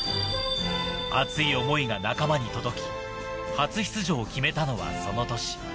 熱い思いが仲間に届き、初出場を決めたのは、その年。